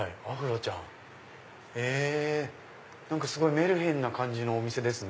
メルヘンな感じのお店ですね。